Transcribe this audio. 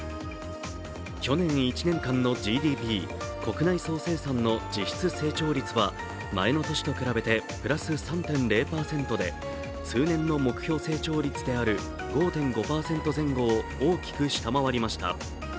去年１年間のＧＤＰ＝国内総生産の実質成長率は前の年と比べてプラス３．０％で、通年の目標成長率である５．５％前後を大きく下回りました。